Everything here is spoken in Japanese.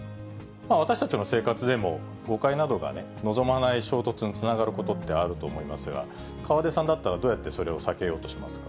私たちの生活でも、誤解などが、望まない衝突につながることってあると思いますが、河出さんだったら、どうやってそれを避けようとしますか？